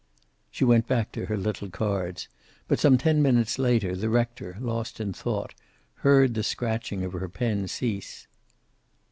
She went back to her little cards, but some ten minutes later the rector, lost in thought, heard the scratching of her pen cease.